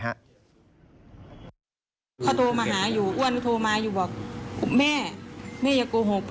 เขาโทรมาหาอยู่อ้วนก็โทรมาอยู่บอก